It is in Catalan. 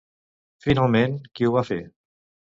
Finalment, qui ho va fer?